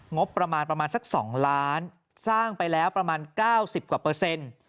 งบประมาณประมาณสัก๒ล้านสร้างไปแล้วประมาณ๙๐กว่าเปอร์เซ็นต์